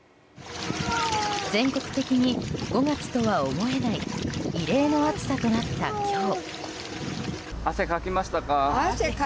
全国的に５月とは思えない異例の暑さとなった今日。